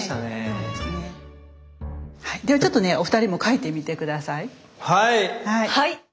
ではちょっとねお二人も描いてみて下さい。